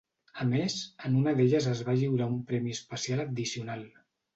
A més, en una d'elles es va lliurar un premi especial addicional.